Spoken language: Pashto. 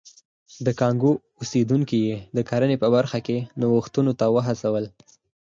د کانګو اوسېدونکي یې د کرنې په برخه کې نوښتونو ته وهڅول.